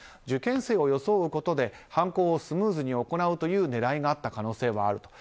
受験生を装うことで犯行をスムーズに行う狙いがあった可能性がある。